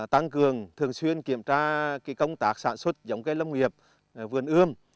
tăng cường thường xuyên kiểm tra công tác sản xuất giống cây lâm nghiệp vườn ươm